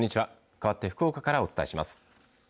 かわって福岡からお伝えします。